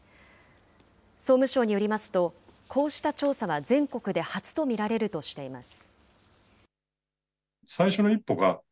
総務省によりますと、こうした調査は全国で初と見られるとしています。